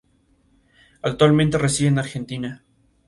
Epoxi Puro en la mayoría de los casos.